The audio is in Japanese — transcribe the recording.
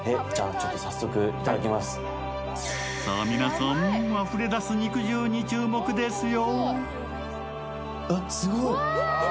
さあ、皆さん、あふれ出す肉汁に注目ですよ。